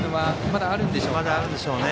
まだあるんでしょうね。